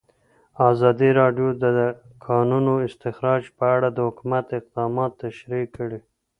ازادي راډیو د د کانونو استخراج په اړه د حکومت اقدامات تشریح کړي.